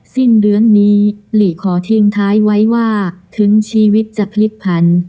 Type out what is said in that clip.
สิ้นเดือนนี้หลีขอทิ้งท้ายไว้ว่าถึงชีวิตจะพลิกผัน